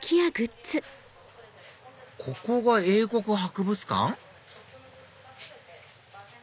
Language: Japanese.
ここが英国博物館？